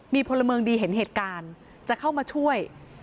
มีพลเมืองดีเห็นเหตุการณ์จะเข้ามาช่วย